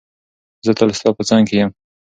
زه تل ستا په څنګ کې یم.